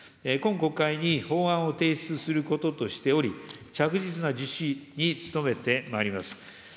今国会に法案を提出することとしており、着実な実施に努めてまいります。